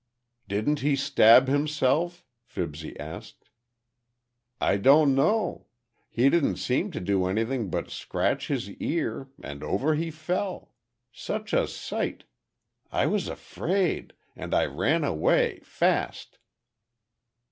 "Didn't he stab himself?" Fibsy asked. "I don't know. He didn't seem to do anything but scratch his ear, and over he fell! Such a sight! I was afraid, and I ran away—fast."